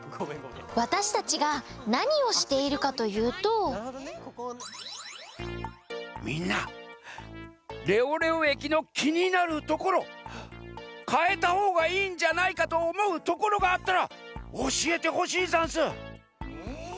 わたしたちがなにをしているかというとみんなレオレオえきのきになるところかえたほうがいいんじゃないかとおもうところがあったらおしえてほしいざんす。え？